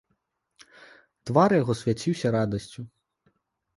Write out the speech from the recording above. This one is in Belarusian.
Твар яго свяціўся радасцю.